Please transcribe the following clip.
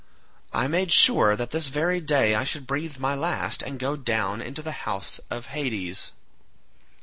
I made sure that this very day I should breathe my last and go down into the house of Hades."